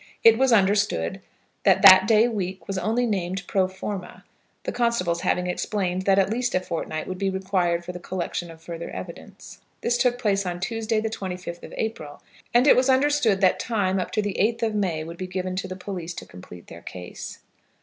It was understood that that day week was only named pro formâ, the constables having explained that at least a fortnight would be required for the collection of further evidence. This took place on Tuesday, the 25th of April, and it was understood that time up to the 8th of May would be given to the police to complete their case.